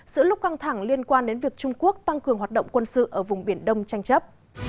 giữa lúc căng thẳng liên quan đến việc trung quốc tăng cường hoạt động quân sự ở vùng biển đông tranh chấp